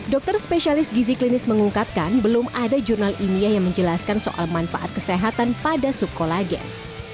dokter spesialis gizi klinis mengungkatkan belum ada jurnal india yang menjelaskan soal manfaat kesehatan pada sup kolagen